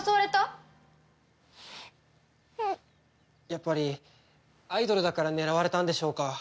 やっぱりアイドルだから狙われたんでしょうか？